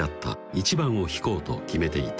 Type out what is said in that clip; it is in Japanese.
１番を弾こうと決めていた